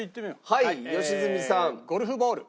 はい良純さん。ゴルフボール。